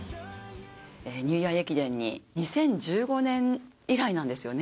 ニューイヤー駅伝に２０１５年以来なんですよね。